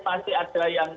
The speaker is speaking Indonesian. masih ada yang